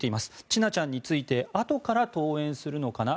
千奈ちゃんについてあとから登園するのかな？